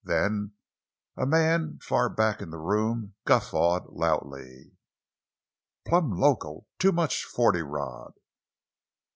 Then a man far back in the room guffawed loudly: "Plumb loco. Too much forty rod!"